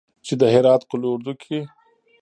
چې د هرات قول اردو کې